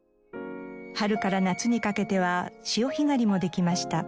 春から夏にかけては潮干狩りもできました。